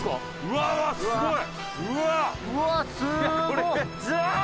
うわあすごい！